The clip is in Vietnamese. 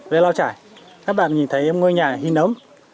với lào trải các bạn nhìn thấy ngôi nhà hình ấm